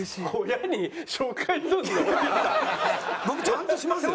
僕ちゃんとしますよ。